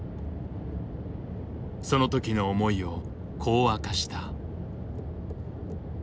その時の思いをこう明かした。